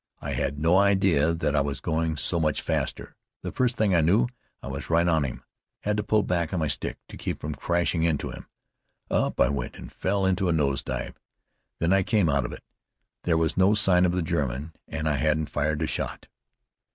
I had no idea that I was going so much faster. The first thing I knew I was right on him. Had to pull back on my stick to keep from crashing into him. Up I went and fell into a nose dive. When I came out of it there was no sign of the German, and I hadn't fired a shot!"